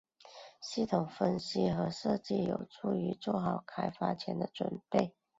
系统分析和设计有助于做好开发前的准备和约束问题的范围。